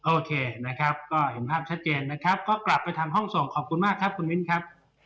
โอเคนะครับก็เห็นภาพชัดเจนนะครับก็กลับไปทำห้องส่งขอบคุณมากครับคุณมิ้นครับ